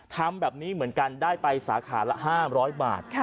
ทำแบบนี้เหมือนกันได้ไปสาขาละ๕๐๐บาท